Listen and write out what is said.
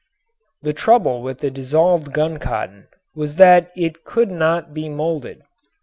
The trouble with the dissolved guncotton was that it could not be molded.